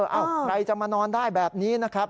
เอ้าใครจะมานอนได้แบบนี้นะครับ